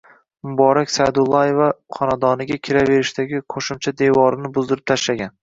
Muborak Sa`dullaeva xonadoniga kiraverishdagi qo`shimcha devorini buzdirib tashlagan